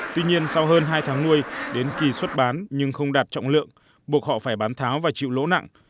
tuy nhiên sau hơn hai tháng nuôi đến kỳ xuất bán nhưng không đạt trọng lượng buộc họ phải bán tháo và chịu lỗ nặng